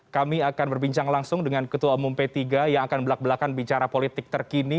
kami akan berbincang langsung dengan ketua umum p tiga yang akan belak belakan bicara politik terkini